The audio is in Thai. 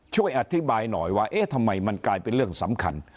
ช่วยอธิบายหน่อยว่าเอ๊ะทำไมมันกลายเป็นเรื่องสำคัญ